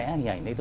hình ảnh này